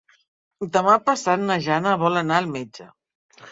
Demà passat na Jana vol anar al metge.